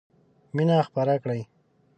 مينه خپره کړئ.